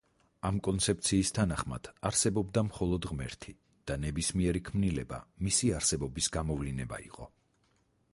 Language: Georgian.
ამ კონცეფციის თანახმად, არსებობდა მხოლოდ ღმერთი და ნებისმიერი ქმნილება მისი არსებობის გამოვლინება იყო.